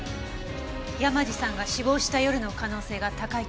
山路さんが死亡した夜の可能性が高いって事ですね。